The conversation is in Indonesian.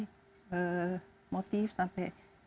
sampai motif sampai ini